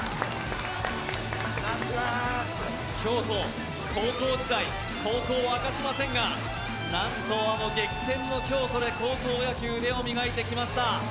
京都高校時代、高校は明かしませんがなんと、あの激戦の京都で高校野球で腕を磨いてきました。